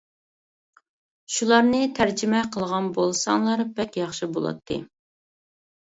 شۇلارنى تەرجىمە قىلغان بولساڭلار بەك ياخشى بولاتتى.